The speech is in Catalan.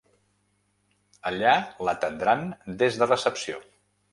Allà l'atendran des de recepció.